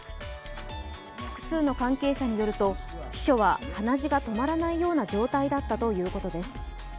複数の関係者によると秘書は鼻血が止まらないような状態だったということです。